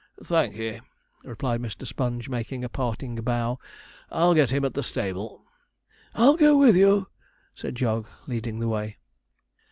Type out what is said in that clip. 'Thankee,' replied Mr. Sponge, making a parting bow; 'I'll get him at the stable.' 'I'll go with you,' said Jog, leading the way.